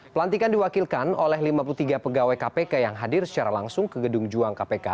pelantikan diwakilkan oleh lima puluh tiga pegawai kpk yang hadir secara langsung ke gedung juang kpk